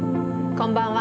こんばんは。